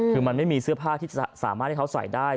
คือมันไม่มีเสื้อผ้าที่จะสามารถให้เขาใส่ได้